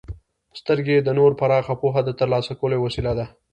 •سترګې د نور پراخه پوهه د ترلاسه کولو یوه وسیله ده.